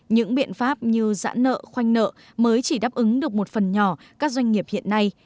những biện pháp như giãn nợ khoanh nợ mới chỉ đáp ứng được một phần nhỏ các doanh nghiệp hiện nay